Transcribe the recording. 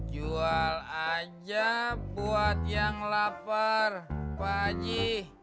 jual aja buat yang lapar pak haji